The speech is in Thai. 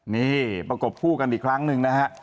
นี่ประกบคู่กันอีกครั้งหนึ่งนะฮะ